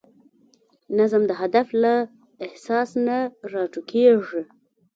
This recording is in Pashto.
نظم د هدف له احساس نه راټوکېږي.